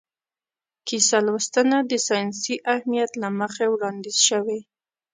کیسه لوستنه د ساینسي اهمیت له مخې وړاندیز شوې.